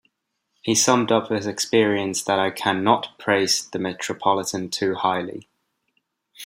He summed up his experience that I can not praise the Metropolitan too highly.